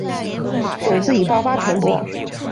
种子以爆发传播。